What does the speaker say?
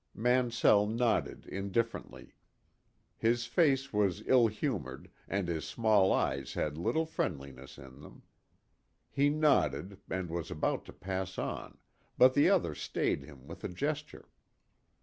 Mansell nodded indifferently. His face was ill humored, and his small eyes had little friendliness in them. He nodded, and was about to pass on, but the other stayed him with a gesture.